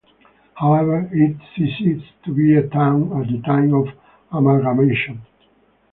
However it ceased to be a town at the time of amalgamation.